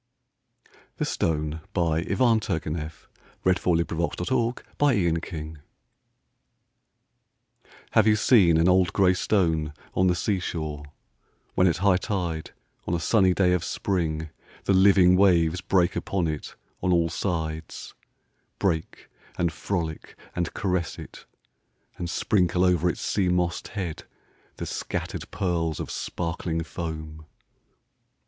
face of Christ. Dec, 1878. 304 POEMS IN PROSE n [1879 1882] THE STONE Have you seen an old grey stone on the sea shore, when at high tide, on a sunny day of spring, the living waves break upon it on all sides â break and frolic and caress it â and sprinkle over its sea mossed head the scattered pearls of sparkling foam